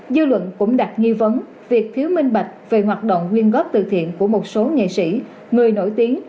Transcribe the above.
dư luận cũng đặt nghi vấn việc thiếu minh bạch về hoạt động nguyên góp từ thiện của một số nghệ sĩ người nổi tiếng